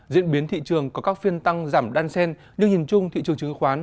diễn biến thị trường có các phiên tăng giảm đan sen nhưng nhìn chung thị trường chứng khoán